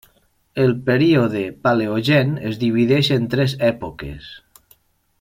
El període Paleogen es divideix en tres èpoques: